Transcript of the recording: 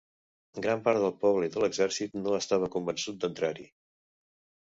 Gran part del poble i de l'exèrcit no estava convençut d'entrar-hi.